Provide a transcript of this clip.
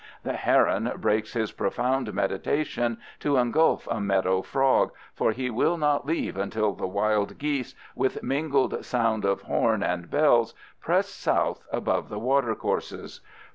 The heron breaks his profound meditation to engulf a meadow frog, for he will not leave until the wild geese "with mingled sound of horn and bells" press south above the watercourses.